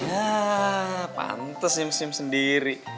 ya pantes nyim sim sendiri